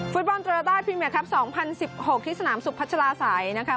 ฟุตบอลโตราต้าพรีเมียครับ๒๐๑๖ที่สนามสุพัชลาศัยนะคะ